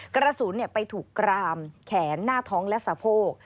กระสุนไปถูกกรามแขนหน้าท้องและสะโพก